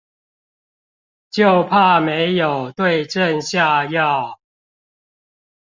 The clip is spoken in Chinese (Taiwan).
就怕沒有對症下藥